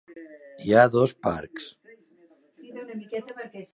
Hi ha dos parcs.